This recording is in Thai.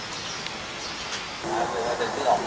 สวัสดีครับ